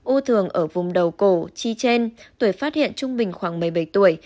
ô thường ở vùng đầu cổ chi trên tuổi phát hiện trung bình khoảng một mươi bảy tuổi